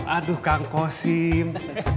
aduh kang khozim